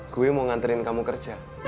gue mau nganterin kamu kerja